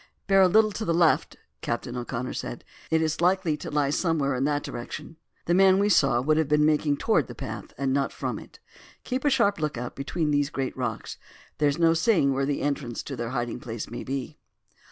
"Bear a little to the left," Captain O'Connor said; "it is likely to lie somewhere in that direction. The man we saw would have been making towards the path and not from it. Keep a sharp look out between these great rocks; there is no saying where the entrance to their hiding place may be."